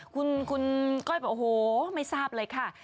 คุณก้อยบอกโอ้โหไม่ทราบเลยค่ะ